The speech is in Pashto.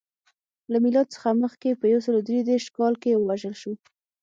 له میلاد څخه مخکې په یو سل درې دېرش کال کې ووژل شو.